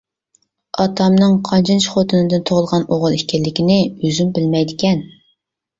ئاتامنىڭ قانچىنچى خوتۇنىدىن تۇغۇلغان ئوغۇل ئىكەنلىكىنى ئۆزىمۇ بىلمەيدىكەن.